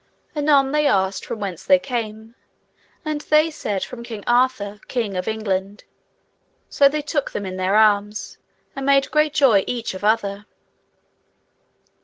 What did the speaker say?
Anon they asked from whence they came, and they said from King Arthur, king of England; so they took them in their arms and made great joy each of other.